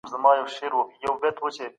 موږ په کيسو کښي رياضي کاروو.